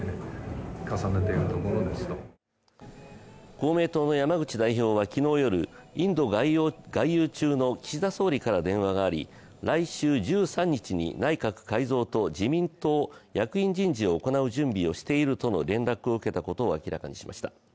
公明党の山口代表は昨日夜、インド外遊中の岸田総理から電話があり来週１３日に内閣改造と自民党役員人事を行う準備をしているとの連絡を受けたことを明らかにしました。